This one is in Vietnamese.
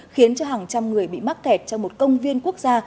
khiến cho hàng trăm người bị mắc kẹt trong một công viên quốc gia